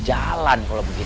pak iwan yang berbuat semua ini